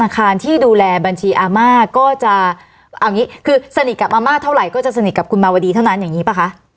คือสนิทกับอาม่าเท่าไรก็จะสนิทกับคุณมาวดีเท่านั้นอย่างนี้ป่ะคะ